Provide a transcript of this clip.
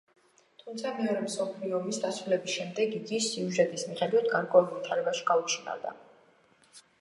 თუმცა მეორე მსოფლიო ომის დასრულების შემდეგ იგი სიუჟეტის მიხედვით გაურკვეველ ვითარებაში გაუჩინარდა.